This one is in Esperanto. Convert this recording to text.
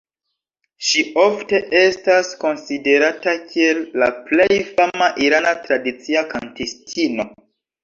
Ŝi ofte estas konsiderata kiel la plej fama irana tradicia kantistino.